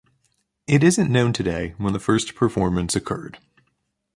It isn't known today when the first performance occurred.